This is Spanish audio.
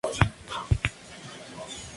Son guardianes en el calabozo No.